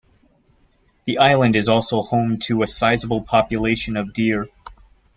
The Island is also home to a sizable population of deer.